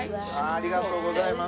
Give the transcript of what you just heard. ありがとうございます。